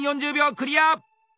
クリアー！